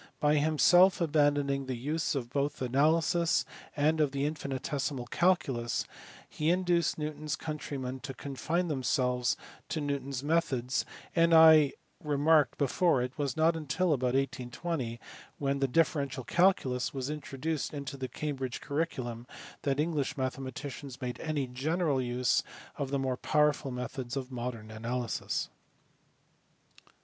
By himself abandoning the use both of analysis and of the infinitesimal calculus he induced Newton s countrymen to confine them selves to Newton s methods, and as I remarked before it was riot until about 1820, when the differential calculus was introduced into the Cambridge curriculum, that English mathematicians made any general use of the more powerful methods of modern analysis.